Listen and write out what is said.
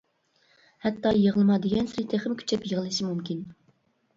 ھەتتا يىغلىما دېگەنسېرى تېخىمۇ كۈچەپ يىغلىشى مۇمكىن.